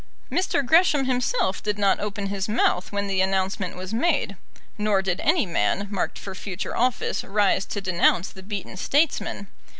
Mr. Gresham himself did not open his mouth when the announcement was made; nor did any man, marked for future office, rise to denounce the beaten statesman.